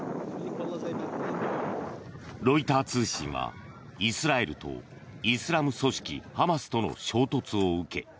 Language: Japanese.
ロイター通信はイスラエルとイスラム組織ハマスとの衝突を受け